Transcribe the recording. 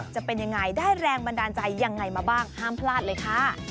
จะเป็นยังไงได้แรงบันดาลใจยังไงมาบ้างห้ามพลาดเลยค่ะ